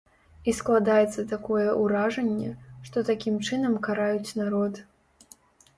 І складаецца такое ўражанне, што такім чынам караюць народ.